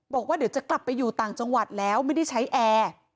บอกว่าเดี๋ยวจะกลับไปอยู่ต่างจังหวัดแล้วไม่ได้ใช้แอร์